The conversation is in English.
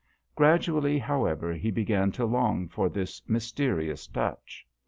Gradually, however, he began to long for this mysterious touch.